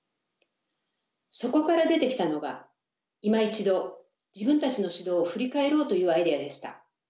そこから出てきたのが今一度自分たちの指導を振り返ろうというアイデアでした。